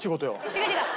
違う違う。